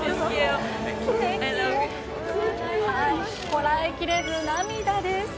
こらえきれず涙です。